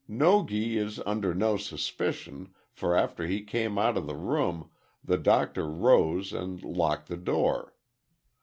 Nogi is under no suspicion, for after he came out of the room, the Doctor rose and locked the door.